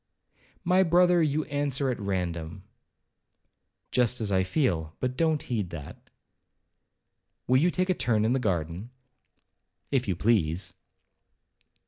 'My brother, you answer at random.' 'Just as I feel—but don't heed that.' 'Will you take a turn in the garden?' 'If you please.'